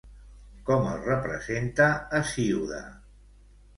Com el representa Hesíode?